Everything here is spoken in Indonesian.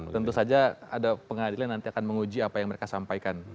tentu saja ada pengadilan nanti akan menguji apa yang mereka sampaikan